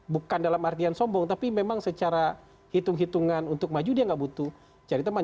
bukan dalam artian sombong tapi memang secara hitung hitungan untuk maju dia nggak butuh cari teman